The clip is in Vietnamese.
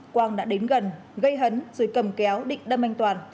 quang đã đến gần gây hấn rồi cầm kéo địch đâm anh toàn